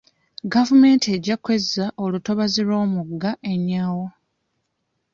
Gavumenti ejja kwezza olutobazi lw'omugga Enyau.